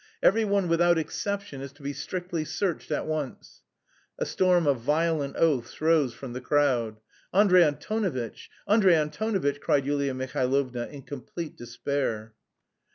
"Every one without exception to be strictly searched at once!" A storm of violent oaths rose from the crowd. "Andrey Antonovitch! Andrey Antonovitch!" cried Yulia Mihailovna in complete despair.